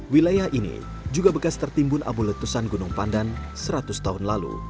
wilayah ini juga bekas tertimbun abu letusan gunung pandan seratus tahun lalu